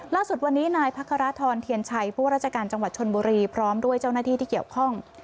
ล่าสุดวันนี้นายพระคารทรเทียนชัยผู้ราชการจังหวัดชนบุรีพร้อมด้วยเจ้าหน้าที่ที่เกี่ยวข้อง